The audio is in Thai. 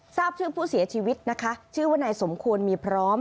ทราบชื่อผู้เสียชีวิตนะคะชื่อว่านายสมควรมีพร้อม